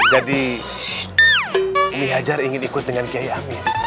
jadi umi hajar ingin ikut dengan kiai amin